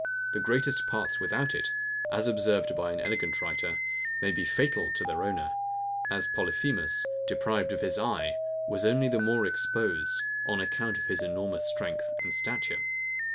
The greatest parts without it, as observed by an elegant writer, may be fatal to their owner; as Polyphemus, deprived of his eye, was only the more exposed, on account of his enormous strength and stature.